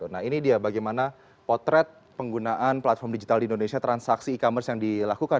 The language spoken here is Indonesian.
nah ini dia bagaimana potret penggunaan platform digital di indonesia transaksi e commerce yang dilakukan